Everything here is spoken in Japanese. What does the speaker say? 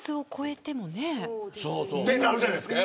そうなるじゃないですか。